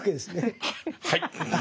はい！